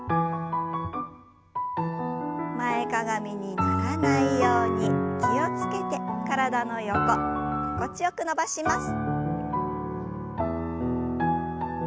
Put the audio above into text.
前かがみにならないように気を付けて体の横心地よく伸ばします。